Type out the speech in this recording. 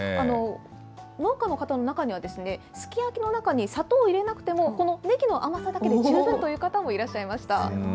農家の方の中には、すき焼きの中に砂糖を入れなくても、このねぎの甘さだけで十分という方もいらっしゃいました。